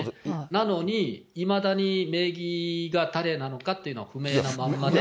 なのに、いまだに名義が誰なのかっていうのは不明なまんまで。